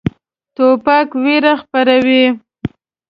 توپک ویره خپروي.